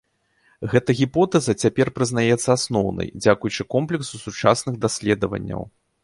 Гэта гіпотэза цяпер прызнаецца асноўнай дзякуючы комплексу сучасных даследаванняў.